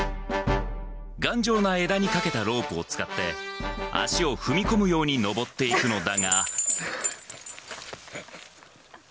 頑丈な枝にかけたロープを使って、足を踏み込むように登っていくのだが。